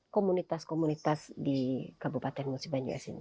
komunitas komunitas di kabupaten musi banyuasin